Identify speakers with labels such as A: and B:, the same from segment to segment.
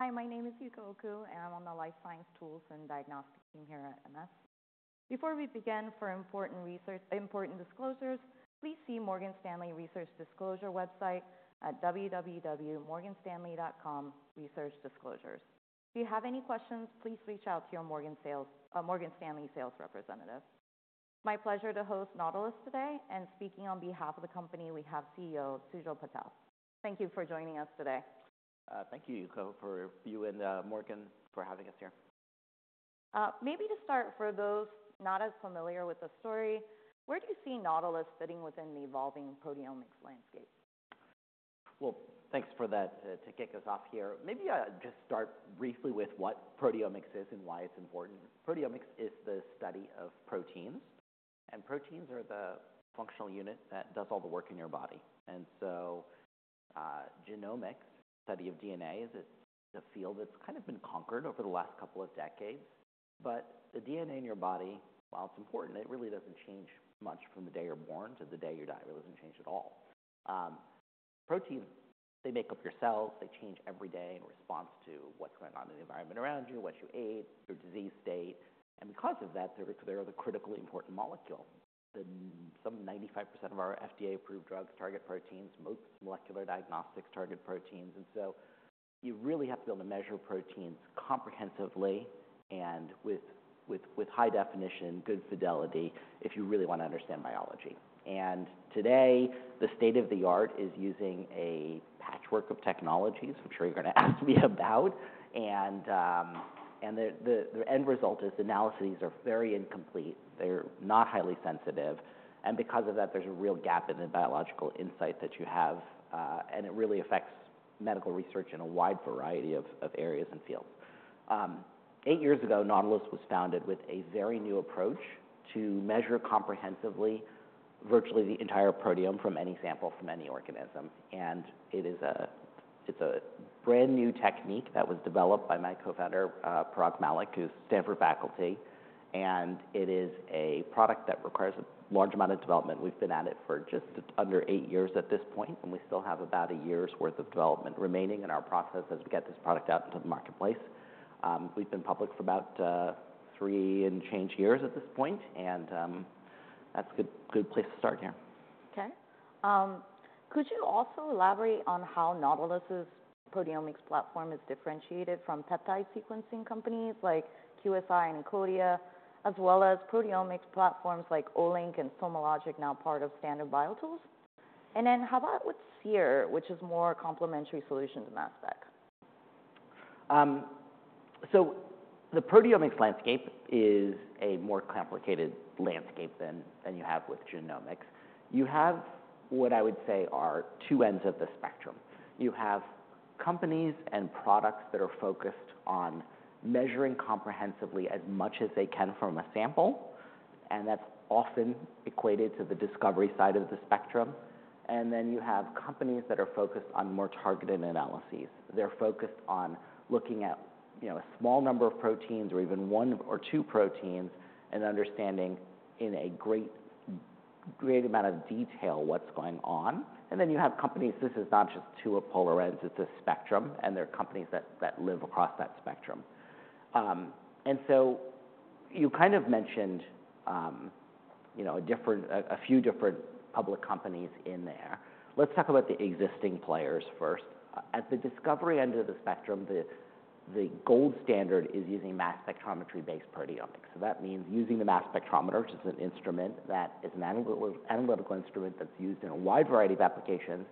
A: Hi, my name is Yuko Oku, and I'm on the Life Science Tools and Diagnostics team here at MS. Before we begin, for important disclosures, please see Morgan Stanley Research Disclosure website at www.morganstanley.com/researchdisclosures. If you have any questions, please reach out to your Morgan Stanley sales representative. My pleasure to host Nautilus today, and speaking on behalf of the company, we have CEO Sujal Patel. Thank you for joining us today.
B: Thank you, Yuko, for you and Morgan, for having us here. Maybe to start, for those not as familiar with the story, where do you see Nautilus fitting within the evolving proteomics landscape? Thanks for that, to kick us off here. Maybe I'll just start briefly with what proteomics is and why it's important. Proteomics is the study of proteins, and proteins are the functional unit that does all the work in your body. And so, genomics, study of DNA, is a field that's kind of been conquered over the last couple of decades. But the DNA in your body, while it's important, it really doesn't change much from the day you're born to the day you die. It really doesn't change at all. Proteins, they make up your cells. They change every day in response to what's going on in the environment around you, what you ate, your disease state, and because of that, they're the critically important molecule. Some 95% of our FDA-approved drugs target proteins. Most molecular diagnostics target proteins, and so you really have to be able to measure proteins comprehensively and with high definition, good fidelity, if you really wanna understand biology. And today, the state-of-the-art is using a patchwork of technologies, which I'm sure you're gonna ask me about, and the end result is analyses are very incomplete. They're not highly sensitive, and because of that, there's a real gap in the biological insight that you have, and it really affects medical research in a wide variety of areas and fields. Eight years ago, Nautilus was founded with a very new approach to measure comprehensively virtually the entire proteome from any sample, from any organism. It is a brand-new technique that was developed by my co-founder, Parag Mallick, who's Stanford faculty, and it is a product that requires a large amount of development. We've been at it for just under eight years at this point, and we still have about a year's worth of development remaining in our process as we get this product out into the marketplace. We've been public for about three and change years at this point, and that's a good, good place to start here. Okay. Could you also elaborate on how Nautilus's proteomics platform is differentiated from peptide sequencing companies like QSI and Encodia, as well as proteomics platforms like Olink and SomaLogic, now part of Standard BioTools? And then how about with Seer, which is more complementary solution to mass spec? So the proteomics landscape is a more complicated landscape than you have with genomics. You have what I would say are two ends of the spectrum. You have companies and products that are focused on measuring comprehensively as much as they can from a sample, and that's often equated to the discovery side of the spectrum. And then you have companies that are focused on more targeted analyses. They're focused on looking at, you know, a small number of proteins or even one or two proteins and understanding in a great, great amount of detail what's going on. And then you have companies. This is not just two polar ends, it's a spectrum, and there are companies that live across that spectrum. And so you kind of mentioned, you know, a few different public companies in there. Let's talk about the existing players first. At the discovery end of the spectrum, the gold standard is using mass spectrometry-based proteomics. So that means using the mass spectrometer, which is an instrument that is an analytical instrument that's used in a wide variety of applications,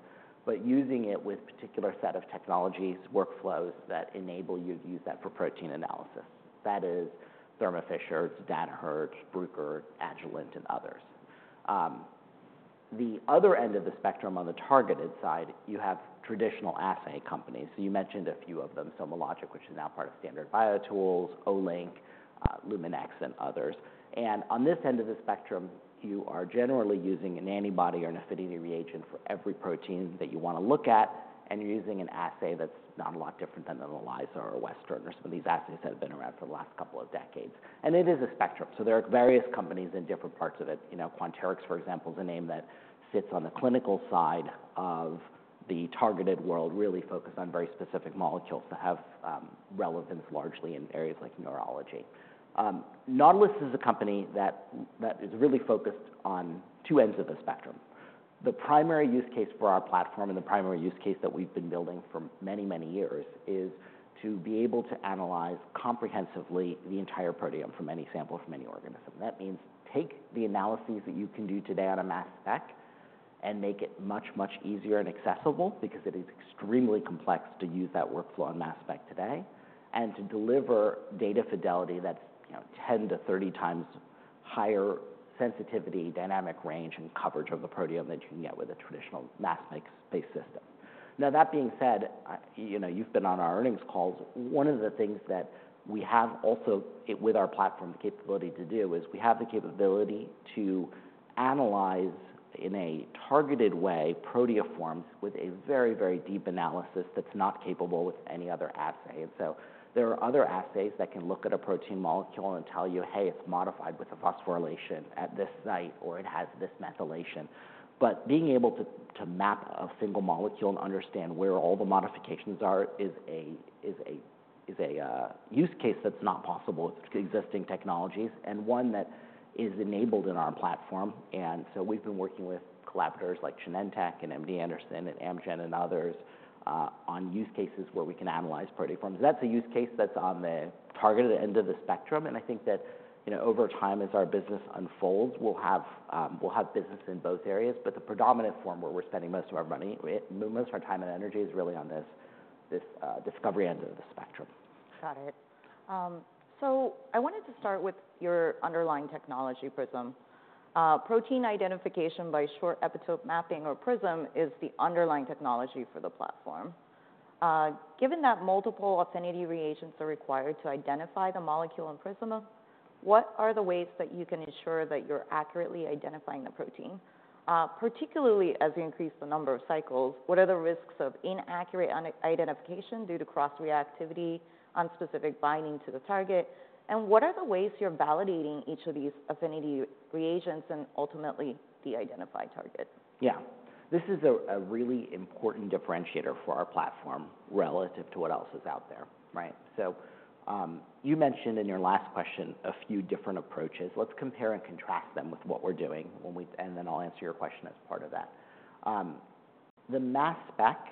B: but using it with particular set of technologies, workflows that enable you to use that for protein analysis. That is Thermo Fisher, Danaher, Bruker, Agilent, and others. The other end of the spectrum, on the targeted side, you have traditional assay companies. So you mentioned a few of them, SomaLogic, which is now part of Standard BioTools, Olink, Luminex, and others. And on this end of the spectrum, you are generally using an antibody or an affinity reagent for every protein that you wanna look at, and you're using an assay that's not a lot different than an ELISA or a Western blot. Some of these assays have been around for the last couple of decades. And it is a spectrum, so there are various companies in different parts of it. You know, Quanterix, for example, is a name that sits on the clinical side of the targeted world, really focused on very specific molecules that have relevance largely in areas like neurology. Nautilus is a company that is really focused on two ends of the spectrum. The primary use case for our platform, and the primary use case that we've been building for many, many years, is to be able to analyze comprehensively the entire proteome from any sample, from any organism. That means take the analyses that you can do today on a mass spec and make it much, much easier and accessible because it is extremely complex to use that workflow on mass spec today, and to deliver data fidelity that's, you know, 10-30 times higher sensitivity, dynamic range, and coverage of the proteome than you can get with a traditional mass spec-based system. Now, that being said, you know, you've been on our earnings calls. One of the things that we have also, with our platform capability to do, is we have the capability to analyze, in a targeted way, proteoforms with a very, very deep analysis that's not capable with any other assay. And so there are other assays that can look at a protein molecule and tell you, "Hey, it's modified with a phosphorylation at this site," or, "It has this methylation." But being able to map a single molecule and understand where all the modifications are is a use case that's not possible with existing technologies, and one that is enabled in our platform. And so we've been working with collaborators like Genentech, and MD Anderson, and Amgen, and others, on use cases where we can analyze protein forms. That's a use case that's on the targeted end of the spectrum, and I think that, you know, over time, as our business unfolds, we'll have business in both areas. But the predominant form where we're spending most of our money, most of our time and energy, is really on this discovery end of the spectrum. Got it. So I wanted to start with your underlying technology, PrISM. Protein Identification by Short-epitope Mapping, or PrISM, is the underlying technology for the platform. Given that multiple affinity reagents are required to identify the molecule in PrISM, what are the ways that you can ensure that you're accurately identifying the protein? Particularly as you increase the number of cycles, what are the risks of inaccurate identification due to cross-reactivity or non-specific binding to the target? And what are the ways you're validating each of these affinity reagents and ultimately the identified targets? Yeah. This is a really important differentiator for our platform relative to what else is out there, right? So, you mentioned in your last question a few different approaches. Let's compare and contrast them with what we're doing when we-- and then I'll answer your question as part of that. The mass spec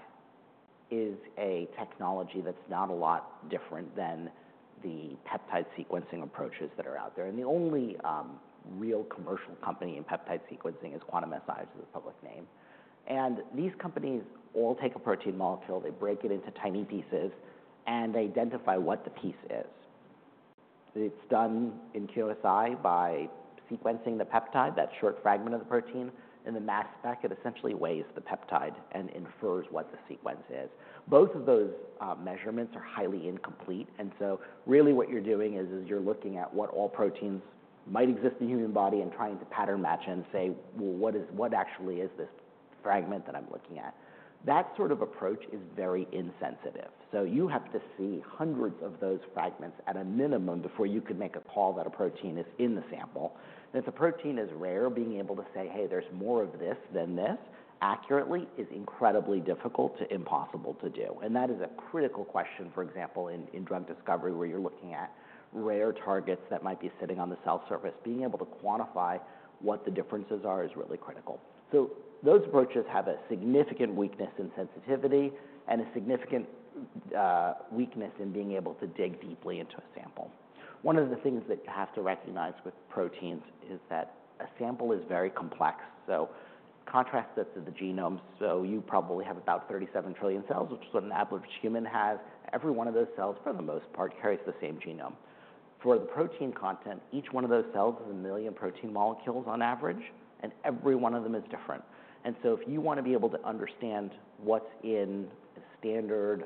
B: is a technology that's not a lot different than the peptide sequencing approaches that are out there, and the only real commercial company in peptide sequencing is Quantum-Si, is the public name. And these companies all take a protein molecule, they break it into tiny pieces, and they identify what the piece is. It's done in QSI by sequencing the peptide, that short fragment of the protein. In the mass spec, it essentially weighs the peptide and infers what the sequence is. Both of those measurements are highly incomplete, and so really what you're doing is you're looking at what all proteins might exist in the human body and trying to pattern match and say, "Well, what actually is this fragment that I'm looking at?" That sort of approach is very insensitive, so you have to see hundreds of those fragments at a minimum before you can make a call that a protein is in the sample. And if a protein is rare, being able to say, "Hey, there's more of this than this," accurately, is incredibly difficult to impossible to do. And that is a critical question, for example, in drug discovery, where you're looking at rare targets that might be sitting on the cell surface. Being able to quantify what the differences are is really critical. Those approaches have a significant weakness in sensitivity and a significant weakness in being able to dig deeply into a sample. One of the things that you have to recognize with proteins is that a sample is very complex, so contrast this to the genome. You probably have about 37 trillion cells, which is what an average human has. Every one of those cells, for the most part, carries the same genome. For the protein content, each one of those cells has a million protein molecules on average, and every one of them is different. If you want to be able to understand what's in a standard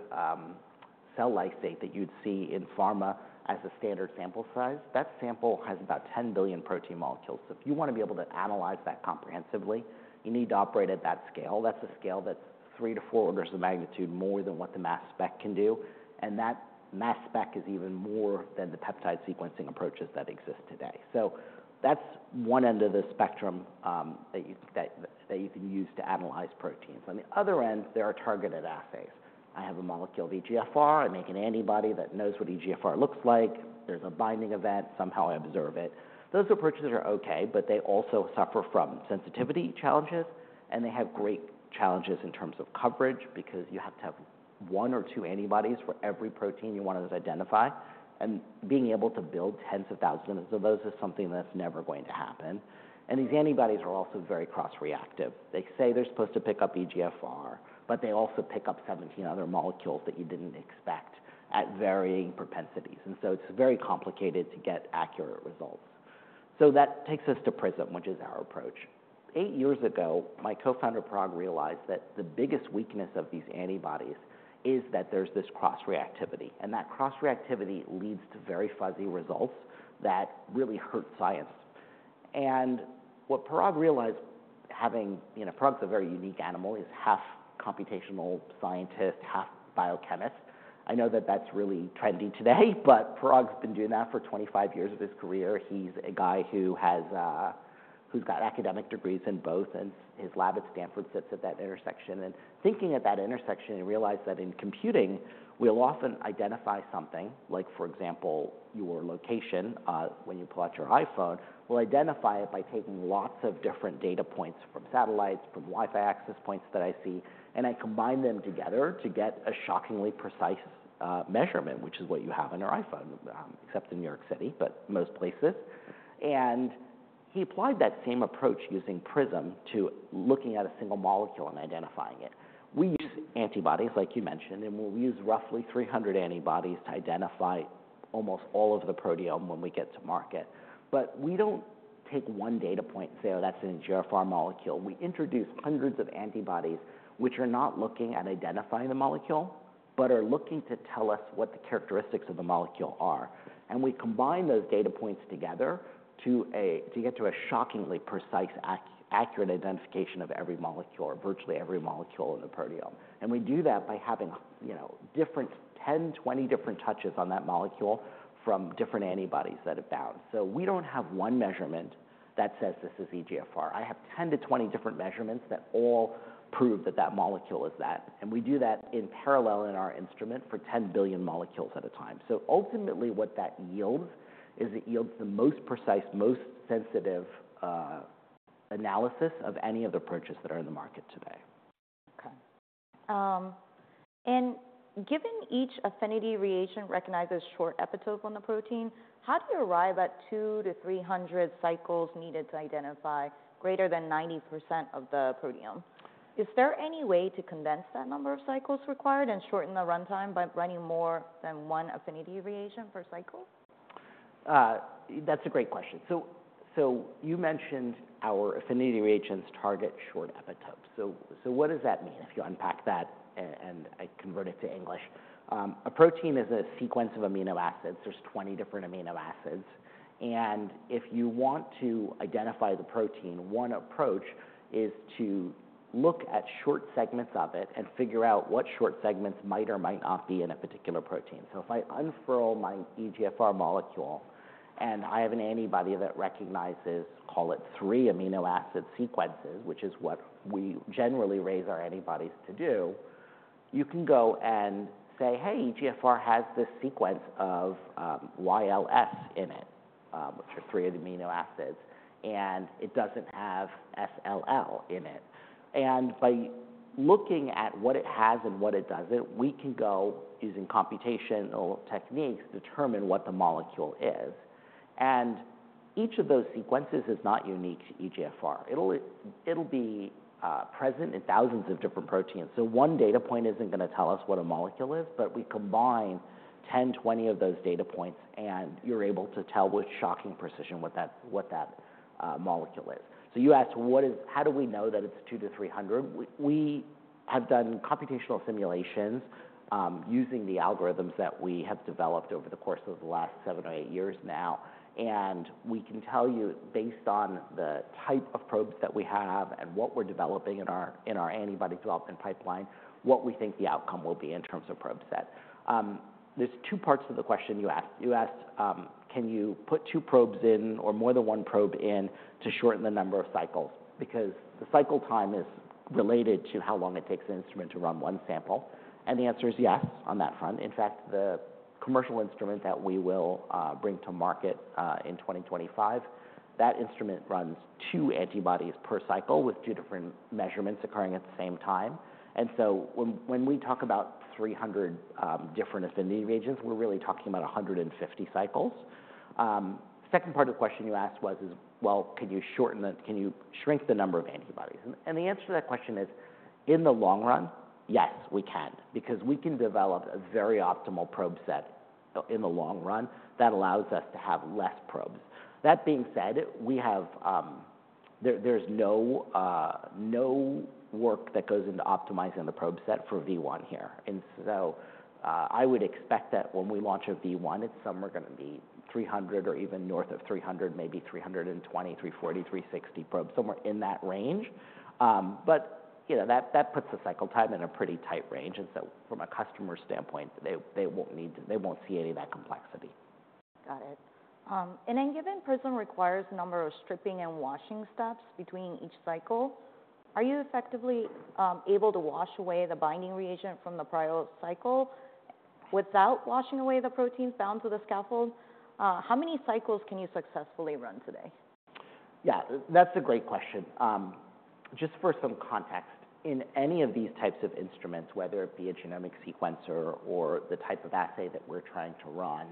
B: cell lysate that you'd see in pharma as a standard sample size, that sample has about ten billion protein molecules. So if you want to be able to analyze that comprehensively, you need to operate at that scale. That's a scale that's three to four orders of magnitude more than what the mass spec can do, and that mass spec is even more than the peptide sequencing approaches that exist today. So that's one end of the spectrum that you can use to analyze proteins. On the other end, there are targeted assays. I have a molecule, EGFR. I make an antibody that knows what EGFR looks like. There's a binding event. Somehow I observe it. Those approaches are okay, but they also suffer from sensitivity challenges, and they have great challenges in terms of coverage because you have to have one or two antibodies for every protein you want to identify. And being able to build 10,000 of those is something that's never going to happen. And these antibodies are also very cross-reactive. They say they're supposed to pick up EGFR, but they also pick up 17 other molecules that you didn't expect at varying propensities, and so it's very complicated to get accurate results. So that takes us to PrISM, which is our approach. 8 years ago, my co-founder, Parag, realized that the biggest weakness of these antibodies is that there's this cross-reactivity, and that cross-reactivity leads to very fuzzy results that really hurt science. And what Parag realized, having... You know, Parag's a very unique animal. He's half computational scientist, half biochemist. I know that that's really trendy today, but Parag's been doing that for 25 years of his career. He's a guy who has, who's got academic degrees in both, and his lab at Stanford sits at that intersection. And thinking at that intersection, he realized that in computing, we'll often identify something, like, for example, your location, when you pull out your iPhone. We'll identify it by taking lots of different data points from satellites, from Wi-Fi access points that I see, and I combine them together to get a shockingly precise, measurement, which is what you have on your iPhone, except in New York City, but most places. And he applied that same approach using PrISM to looking at a single molecule and identifying it. We use antibodies, like you mentioned, and we'll use roughly 300 antibodies to identify almost all of the proteome when we get to market. But we don't take one data point and say, "Oh, that's an EGFR molecule." We introduce hundreds of antibodies which are not looking at identifying the molecule, but are looking to tell us what the characteristics of the molecule are. And we combine those data points together to get to a shockingly precise accurate identification of every molecule, or virtually every molecule in the proteome. And we do that by having, you know, different 10-20 different touches on that molecule from different antibodies that it binds. So we don't have one measurement that says this is EGFR. I have 10-20 different measurements that all prove that that molecule is that, and we do that in parallel in our instrument for 10 billion molecules at a time. So ultimately, what that yields is it yields the most precise, most sensitive, analysis of any of the approaches that are in the market today. Okay. And given each affinity reagent recognizes short epitopes on the protein, how do you arrive at 200-300 cycles needed to identify greater than 90% of the proteome? Is there any way to condense that number of cycles required and shorten the runtime by running more than one affinity reagent per cycle? That's a great question. So you mentioned our affinity reagents target short epitopes. So what does that mean? If you unpack that and I convert it to English, a protein is a sequence of amino acids. There's 20 different amino acids, and if you want to identify the protein, one approach is to look at short segments of it and figure out what short segments might or might not be in a particular protein. So if I unfurl my EGFR molecule and I have an antibody that recognizes, call it three-amino acid sequences, which is what we generally raise our antibodies to do, you can go and say, "Hey, EGFR has this sequence of YLS in it," which are three of the amino acids, and it doesn't have SLL in it. And by looking at what it has and what it doesn't, we can go, using computational techniques, determine what the molecule is. And each of those sequences is not unique to EGFR. It'll be present in thousands of different proteins. So one data point isn't gonna tell us what a molecule is, but we combine 10, 20 of those data points, and you're able to tell with shocking precision what that molecule is. So you asked, what is how do we know that it's 200-300? We have done computational simulations using the algorithms that we have developed over the course of the last 7 or 8 years now, and we can tell you, based on the type of probes that we have and what we're developing in our antibody development pipeline, what we think the outcome will be in terms of probe set. There's two parts to the question you asked. You asked, can you put two probes in or more than one probe in to shorten the number of cycles? Because the cycle time is related to how long it takes an instrument to run one sample, and the answer is yes on that front. In fact, the commercial instrument that we will bring to market in 2025, that instrument runs two antibodies per cycle, with two different measurements occurring at the same time. When we talk about 300 different affinity reagents, we're really talking about 150 cycles. Second part of the question you asked was well, can you shrink the number of antibodies? And the answer to that question is, in the long run, yes, we can, because we can develop a very optimal probe set in the long run that allows us to have less probes. That being said, there's no work that goes into optimizing the probe set for V1 here. I would expect that when we launch a V1, it's somewhere gonna be 300 or even north of 300, maybe 320, 340, 360 probes, somewhere in that range. But, you know, that puts the cycle time in a pretty tight range, and so from a customer standpoint, they won't see any of that complexity. Got it. And then given PrISM requires a number of stripping and washing steps between each cycle, are you effectively able to wash away the binding reagent from the prior cycle without washing away the proteins bound to the scaffold? How many cycles can you successfully run today? Yeah, that's a great question. Just for some context, in any of these types of instruments, whether it be a genomic sequencer or the type of assay that we're trying to run,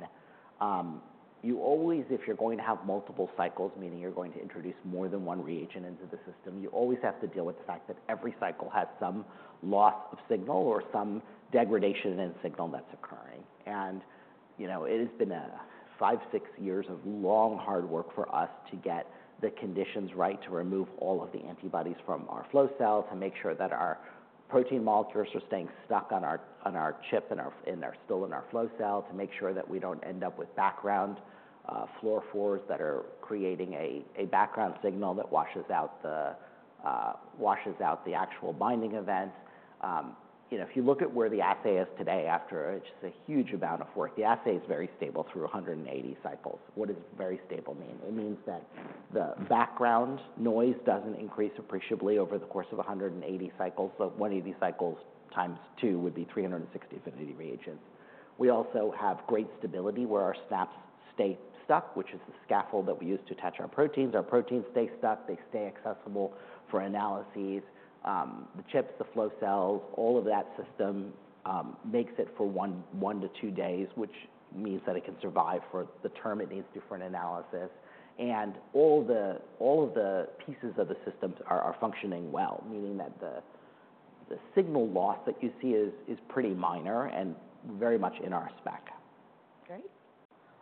B: you always, if you're going to have multiple cycles, meaning you're going to introduce more than one reagent into the system, you always have to deal with the fact that every cycle has some loss of signal or some degradation in signal that's occurring. You know, it has been a five, six years of long, hard work for us to get the conditions right, to remove all of the antibodies from our flow cell, to make sure that our protein molecules are staying stuck on our chip and are still in our flow cell, to make sure that we don't end up with background fluorophores that are creating a background signal that washes out the actual binding events. You know, if you look at where the assay is today, after it's a huge amount of work, the assay is very stable through 180 cycles. What does very stable mean? It means that the background noise doesn't increase appreciably over the course of 180 cycles. So one of these cycles, times two, would be 360 affinity reagents. We also have great stability where our SNAPs stay stuck, which is the scaffold that we use to attach our proteins. Our proteins stay stuck, they stay accessible for analyses. The chips, the flow cells, all of that system makes it for one to two days, which means that it can survive for the term it needs to for an analysis. And all of the pieces of the systems are functioning well, meaning that the signal loss that you see is pretty minor and very much in our spec. Great.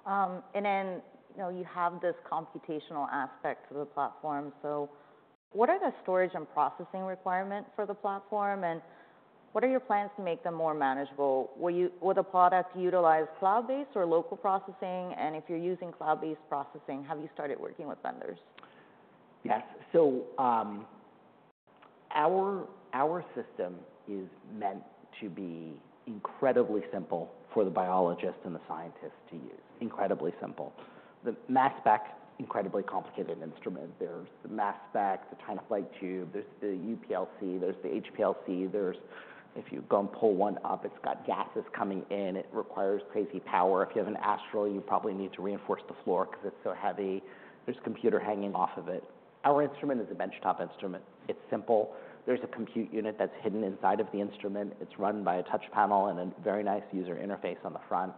B: And then, you know, you have this computational aspect to the platform. So what are the storage and processing requirements for the platform, and what are your plans to make them more manageable? Will the product utilize cloud-based or local processing? And if you're using cloud-based processing, have you started working with vendors? Yes. So, our system is meant to be incredibly simple for the biologists and the scientists to use. Incredibly simple. The mass spec, incredibly complicated instrument. There's the mass spec, the time-of-flight tube, there's the UPLC, there's the HPLC, there's. If you go and pull one up, it's got gases coming in, it requires crazy power. If you have an Astral, you probably need to reinforce the floor 'cause it's so heavy. There's a computer hanging off of it. Our instrument is a benchtop instrument. It's simple. There's a compute unit that's hidden inside of the instrument. It's run by a touch panel and a very nice user interface on the front.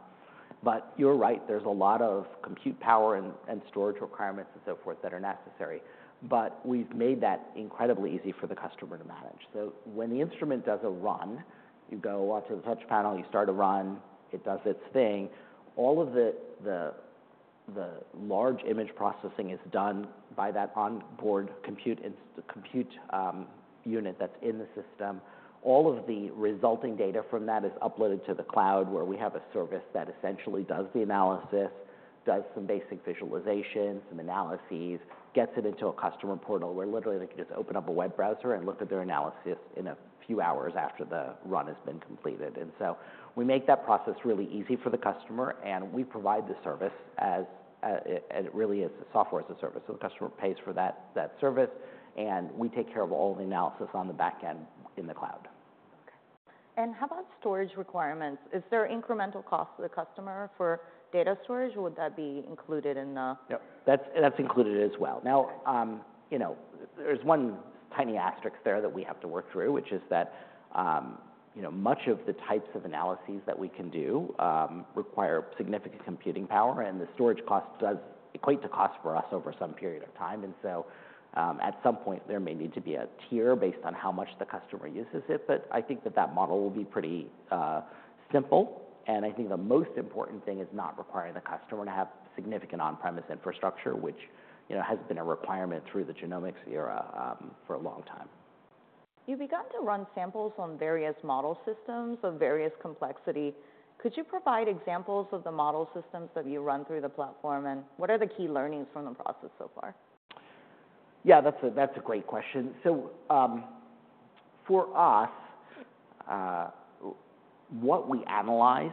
B: But you're right, there's a lot of compute power and storage requirements and so forth that are necessary. But we've made that incredibly easy for the customer to manage. So when the instrument does a run, you go onto the touch panel, you start a run, it does its thing. All of the large image processing is done by that onboard compute unit that's in the system. All of the resulting data from that is uploaded to the cloud, where we have a service that essentially does the analysis, does some basic visualization, some analyses, gets it into a customer portal, where literally they can just open up a web browser and look at their analysis in a few hours after the run has been completed. And so we make that process really easy for the customer, and we provide the service as it really is a Software as a Service. The customer pays for that service, and we take care of all the analysis on the back end in the cloud. Okay. And how about storage requirements? Is there incremental cost to the customer for data storage, or would that be included in the. Yep, that's included as well. Now, you know, there's one tiny asterisk there that we have to work through, which is that, you know, much of the types of analyses that we can do require significant computing power, and the storage cost does equate to cost for us over some period of time. And so, at some point, there may need to be a tier based on how much the customer uses it. But I think that that model will be pretty simple, and I think the most important thing is not requiring the customer to have significant on-premise infrastructure, which, you know, has been a requirement through the genomics era for a long time. You've begun to run samples on various model systems of various complexity. Could you provide examples of the model systems that you run through the platform, and what are the key learnings from the process so far? Yeah, that's a great question. So, for us, what we analyze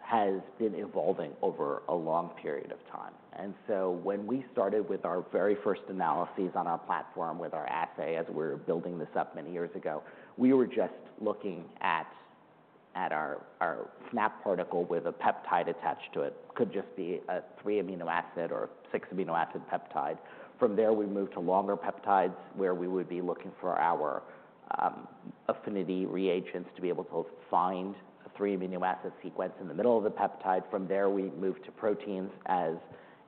B: has been evolving over a long period of time, and so when we started with our very first analyses on our platform, with our assay, as we were building this up many years ago, we were just looking at our snap particle with a peptide attached to it. Could just be a three amino acid or six amino acid peptide. From there, we moved to longer peptides, where we would be looking for our affinity reagents to be able to find a three-amino acid sequence in the middle of the peptide. From there, we moved to proteins as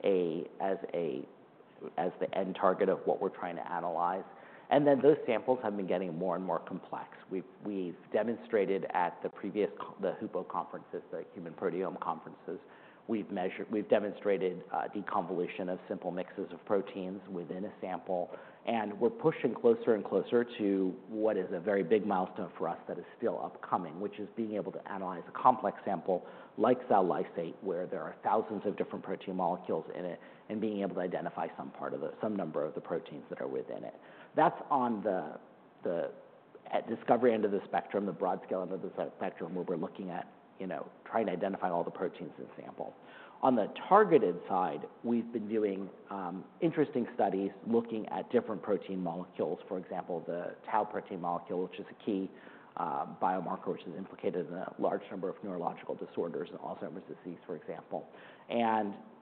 B: the end target of what we're trying to analyze, and then those samples have been getting more and more complex. We've demonstrated at the previous conference, the HUPO conferences, the Human Proteome conferences. We've demonstrated deconvolution of simple mixes of proteins within a sample, and we're pushing closer and closer to what is a very big milestone for us that is still upcoming, which is being able to analyze a complex sample, like cell lysate, where there are thousands of different protein molecules in it, and being able to identify some part of some number of the proteins that are within it. That's on the discovery end of the spectrum, the broad scale of the spectrum, where we're looking at, you know, trying to identify all the proteins in a sample. On the targeted side, we've been doing interesting studies looking at different protein molecules. For example, the tau protein molecule, which is a key biomarker, which is implicated in a large number of neurological disorders, Alzheimer's disease, for example.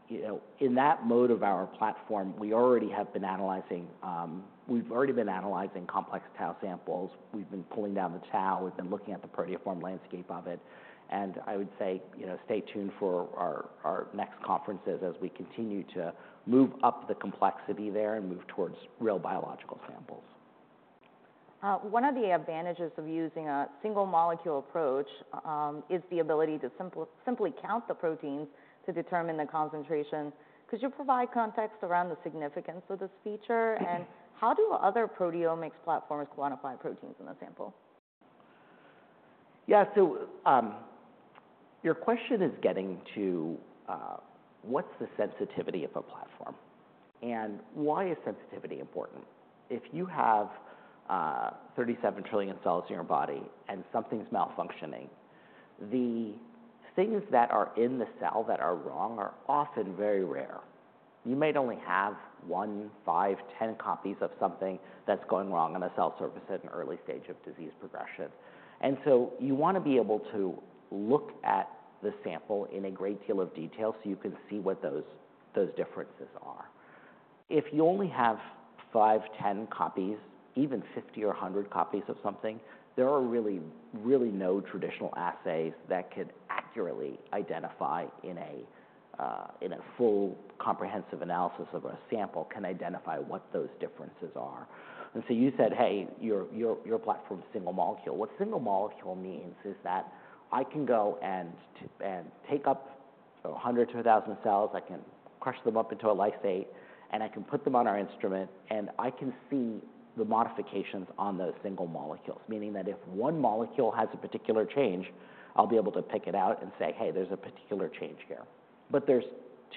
B: You know, in that mode of our platform, we've already been analyzing complex tau samples. We've been pulling down the tau, we've been looking at the proteoform landscape of it. I would say, you know, stay tuned for our next conferences as we continue to move up the complexity there and move towards real biological samples. One of the advantages of using a single molecule approach is the ability to simply count the proteins to determine the concentration. Could you provide context around the significance of this feature and how other proteomics platforms quantify proteins in a sample? Yeah, so, your question is getting to what's the sensitivity of a platform, and why is sensitivity important? If you have 37 trillion cells in your body and something's malfunctioning, the things that are in the cell that are wrong are often very rare. You might only have one, five, ten copies of something that's going wrong on a cell surface at an early stage of disease progression. And so you want to be able to look at the sample in a great deal of detail so you can see what those differences are. If you only have five, ten copies, even 50 or 100 copies of something, there are really, really no traditional assays that can accurately identify in a full comprehensive analysis of a sample, can identify what those differences are. And so you said, "Hey, your platform is single molecule." What single molecule means is that I can go and take up a 100 to a 1000 cells, I can crush them up into a lysate, and I can put them on our instrument, and I can see the modifications on those single molecules. Meaning that if one molecule has a particular change, I'll be able to pick it out and say, "Hey, there's a particular change here." But there's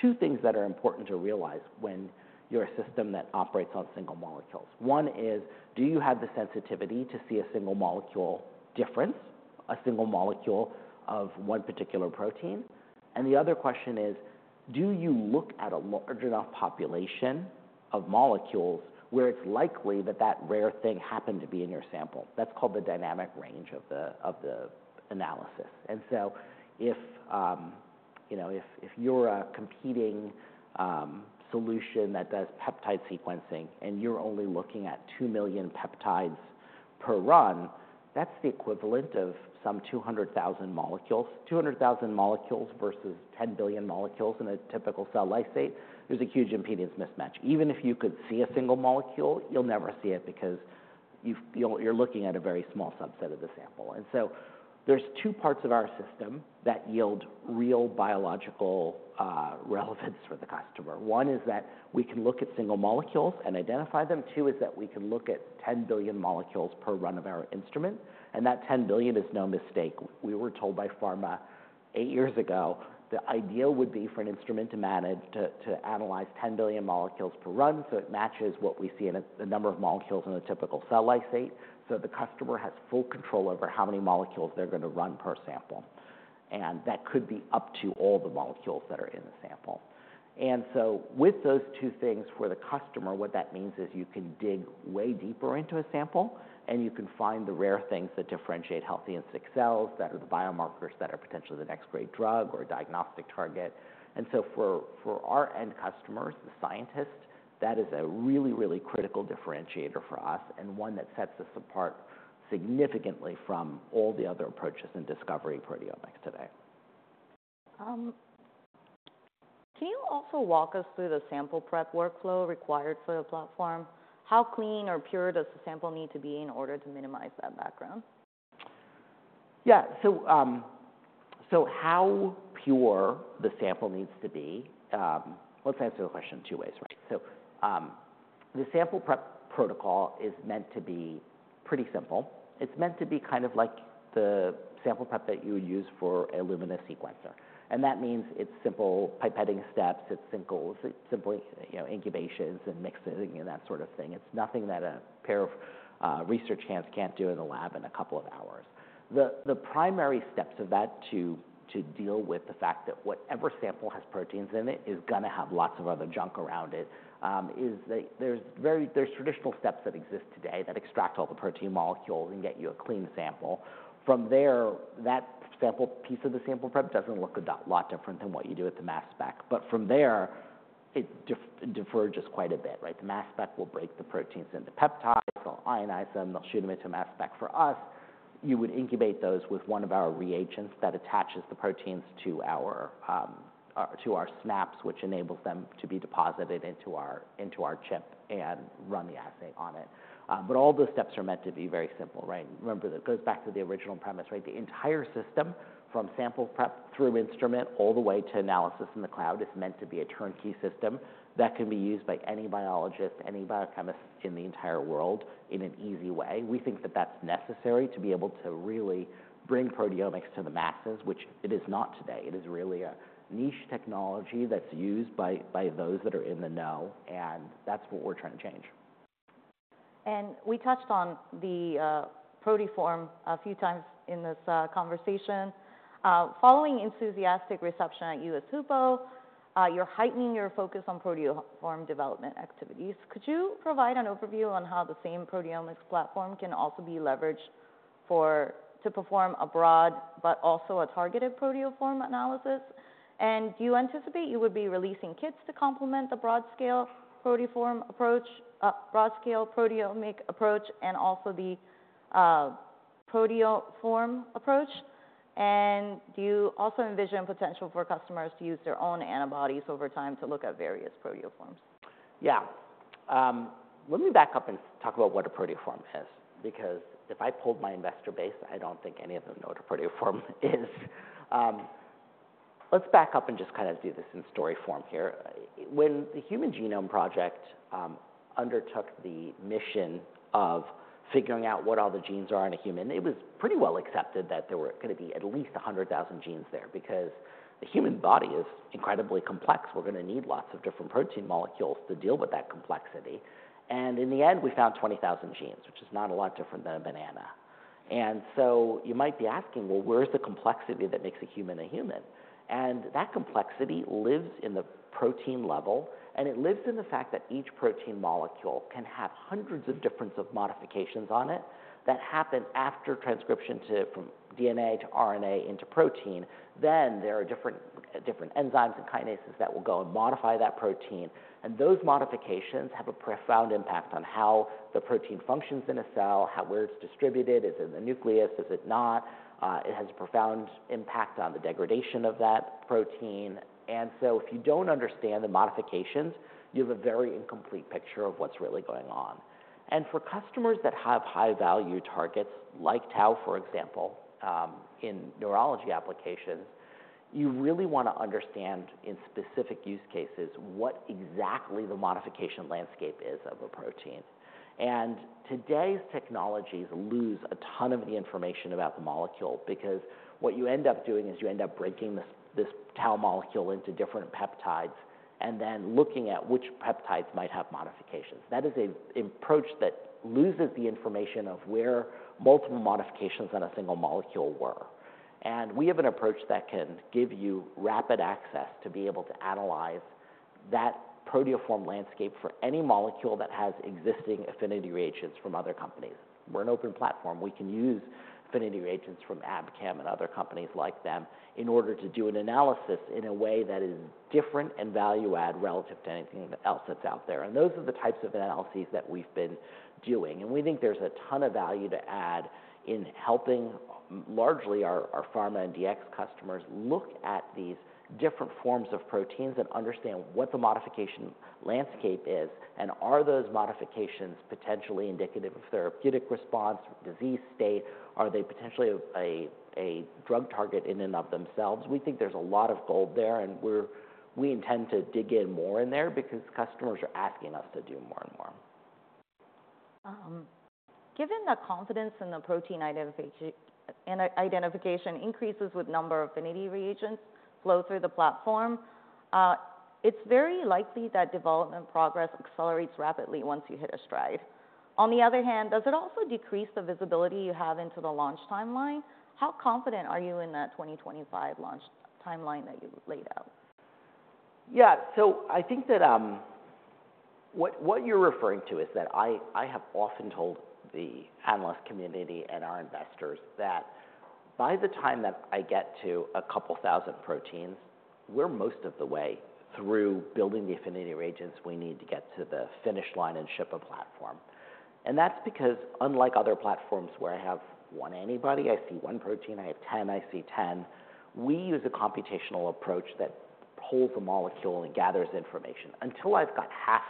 B: two things that are important to realize when you're a system that operates on single molecules. One is, do you have the sensitivity to see a single molecule difference, a single molecule of one particular protein? And the other question is, do you look at a large enough population of molecules where it's likely that that rare thing happened to be in your sample? That's called the dynamic range of the analysis. And so if you know if you're a competing solution that does peptide sequencing and you're only looking at 2 million peptides per run, that's the equivalent of some 200,000 molecules. 200,000 molecules versus 10 billion molecules in a typical cell lysate, there's a huge impedance mismatch. Even if you could see a single molecule, you'll never see it because you're looking at a very small subset of the sample. And so there's two parts of our system that yield real biological relevance for the customer. One is that we can look at single molecules and identify them. Two is that we can look at 10 billion molecules per run of our instrument, and that ten billion is no mistake. We were told by pharma eight years ago, the ideal would be for an instrument to manage, to analyze 10 billion molecules per run, so it matches what we see in a, the number of molecules in a typical cell lysate. So the customer has full control over how many molecules they're gonna run per sample, and that could be up to all the molecules that are in the sample. And so with those two things for the customer, what that means is you can dig way deeper into a sample, and you can find the rare things that differentiate healthy and sick cells, that are the biomarkers that are potentially the next great drug or diagnostic target. So for our end customers, the scientists, that is a really, really critical differentiator for us and one that sets us apart significantly from all the other approaches in discovery proteomics today. Can you also walk us through the sample prep workflow required for your platform? How clean or pure does the sample need to be in order to minimize that background? Yeah. So, so how pure the sample needs to be, let's answer the question in two ways, right? So, the sample prep protocol is meant to be pretty simple. It's meant to be kind of like the sample prep that you would use for Illumina sequencer, and that means it's simple pipetting steps, it's simple, you know, incubations and mixing and that sort of thing. It's nothing that a pair of research hands can't do in a lab in a couple of hours. The primary steps of that to deal with the fact that whatever sample has proteins in it is gonna have lots of other junk around it is that there's traditional steps that exist today that extract all the protein molecules and get you a clean sample. From there, that sample piece of the sample prep doesn't look a lot different than what you do at the mass spec. But from there, it diverges quite a bit, right? The mass spec will break the proteins into peptides, they'll ionize them, they'll shoot them into mass spec. For us, you would incubate those with one of our reagents that attaches the proteins to our SNAPs, which enables them to be deposited into our chip and run the assay on it. But all those steps are meant to be very simple, right? Remember, that goes back to the original premise, right? The entire system, from sample prep through instrument, all the way to analysis in the cloud, is meant to be a turnkey system that can be used by any biologist, any biochemist in the entire world in an easy way. We think that that's necessary to be able to really bring proteomics to the masses, which it is not today. It is really a niche technology that's used by those that are in the know, and that's what we're trying to change. And we touched on the proteoform a few times in this conversation. Following enthusiastic reception at US HUPO, you're heightening your focus on proteoform development activities. Could you provide an overview on how the same proteomics platform can also be leveraged to perform a broad but also a targeted proteoform analysis? And do you anticipate you would be releasing kits to complement the broad scale proteoform approach, broad scale proteomic approach, and also the proteoform approach? And do you also envision potential for customers to use their own antibodies over time to look at various proteoforms? Yeah. Let me back up and talk about what a proteoform is, because if I polled my investor base, I don't think any of them know what a proteoform is. Let's back up and just kind of do this in story form here. When the Human Genome Project undertook the mission of figuring out what all the genes are in a human, it was pretty well accepted that there were gonna be at least a 100,000 genes there, because the human body is incredibly complex. We're gonna need lots of different protein molecules to deal with that complexity. And in the end, we found 20,000 genes, which is not a lot different than a banana. And so you might be asking, "Well, where's the complexity that makes a human a human?" And that complexity lives in the protein level, and it lives in the fact that each protein molecule can have hundreds of different modifications on it, that happen after transcription from DNA to RNA into protein. Then there are different enzymes and kinases that will go and modify that protein, and those modifications have a profound impact on how the protein functions in a cell, how where it's distributed. Is it in the nucleus? Is it not? It has a profound impact on the degradation of that protein. And so if you don't understand the modifications, you have a very incomplete picture of what's really going on. And for customers that have high-value targets, like tau, for example, in neurology applications. You really wanna understand, in specific use cases, what exactly the modification landscape is of a protein. And today's technologies lose a ton of the information about the molecule, because what you end up doing is you end up breaking this tau molecule into different peptides and then looking at which peptides might have modifications. That is an approach that loses the information of where multiple modifications on a single molecule were. And we have an approach that can give you rapid access to be able to analyze that proteoform landscape for any molecule that has existing affinity reagents from other companies. We're an open platform. We can use affinity reagents from Abcam and other companies like them in order to do an analysis in a way that is different and value add relative to anything else that's out there. Those are the types of analyses that we've been doing, and we think there's a ton of value to add in helping largely our pharma and DX customers look at these different forms of proteins and understand what the modification landscape is, and are those modifications potentially indicative of therapeutic response, disease state? Are they potentially a drug target in and of themselves? We think there's a lot of gold there, and we intend to dig in more in there because customers are asking us to do more and more. Given the confidence in the protein identification increases with number of affinity reagents flow through the platform, it's very likely that development progress accelerates rapidly once you hit a stride. On the other hand, does it also decrease the visibility you have into the launch timeline? How confident are you in that 2025 launch timeline that you laid out? Yeah. So I think that what you're referring to is that I have often told the analyst community and our investors that by the time that I get to a couple thousand proteins, we're most of the way through building the affinity reagents we need to get to the finish line and ship a platform. And that's because unlike other platforms where I have one antibody, I see one protein, I have ten, I see ten, we use a computational approach that pulls a molecule and gathers information. Until I've got half,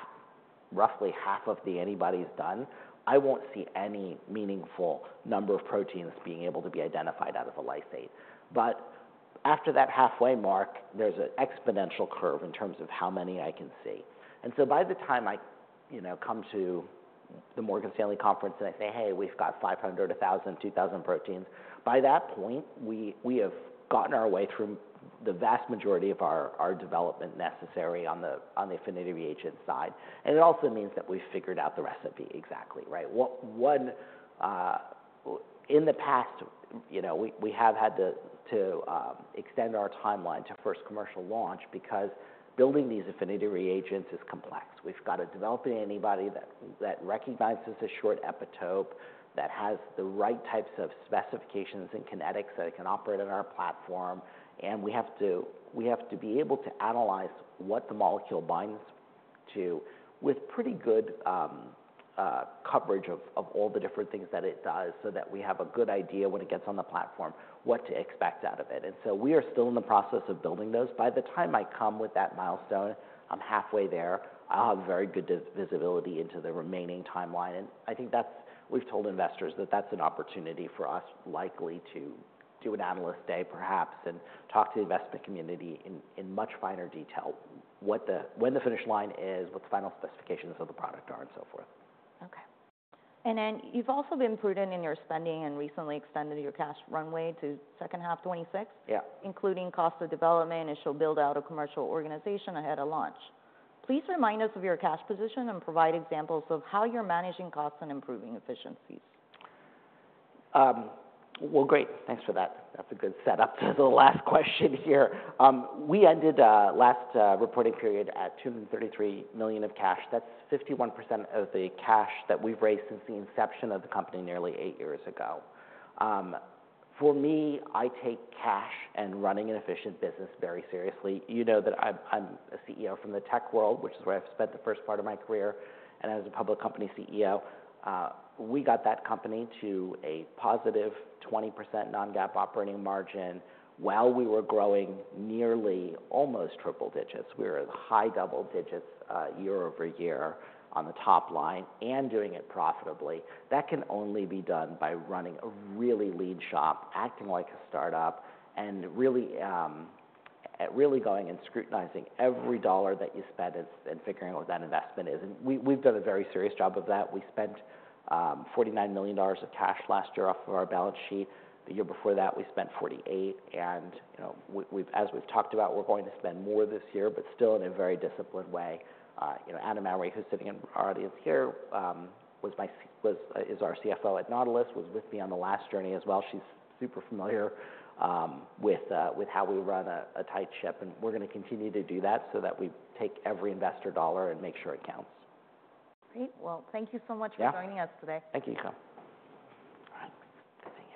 B: roughly half of the antibodies done, I won't see any meaningful number of proteins being able to be identified out of a lysate. But after that halfway mark, there's an exponential curve in terms of how many I can see. And so by the time I, you know, come to the Morgan Stanley conference and I say, "Hey, we've got 500, 1,000, 2,000 proteins," by that point, we have gotten our way through the vast majority of our development necessary on the affinity reagent side. And it also means that we've figured out the recipe exactly, right? In the past, you know, we have had to extend our timeline to first commercial launch because building these affinity reagents is complex. We've got to develop an antibody that, that recognizes a short epitope, that has the right types of specifications and kinetics, that it can operate on our platform, and we have to be able to analyze what the molecule binds to with pretty good coverage of all the different things that it does, so that we have a good idea when it gets on the platform, what to expect out of it. And so we are still in the process of building those. By the time I come with that milestone, I'm halfway there. I'll have very good visibility into the remaining timeline, and I think that's we've told investors that that's an opportunity for us likely to do an analyst day, perhaps, and talk to the investment community in much finer detail, what the finish line is, what the final specifications of the product are, and so forth. Okay. And then you've also been prudent in your spending and recently extended your cash runway to second half 2026. Yeah. Including cost of development, initial build out of commercial organization ahead of launch. Please remind us of your cash position and provide examples of how you're managing costs and improving efficiencies. Great, thanks for that. That's a good setup to the last question here. We ended last reporting period at $233 million of cash. That's 51% of the cash that we've raised since the inception of the company nearly eight years ago. For me, I take cash and running an efficient business very seriously. You know that I'm a CEO from the tech world, which is where I've spent the first part of my career, and as a public company CEO, we got that company to a positive 20% non-GAAP operating margin. While we were growing nearly almost triple-digits, we were at high double digits, year over year on the top line and doing it profitably. That can only be done by running a really lean shop, acting like a startup, and really going and scrutinizing every dollar that you spend and figuring out what that investment is. We've done a very serious job of that. We spent $49 million of cash last year off of our balance sheet. The year before that, we spent $48 million, and you know, as we've talked about, we're going to spend more this year, but still in a very disciplined way. You know, Anna Mowry, who's sitting in our audience here, is our CFO at Nautilus. She was with me on the last journey as well. She's super familiar with how we run a tight ship, and we're gonna continue to do that so that we take every investor dollar and make sure it counts. Great. Well, thank you so much. Yeah. For joining us today. Thank you, Yuko. All right, thank you.